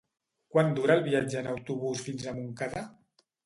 Quant dura el viatge en autobús fins a Montcada?